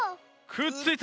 くっついた！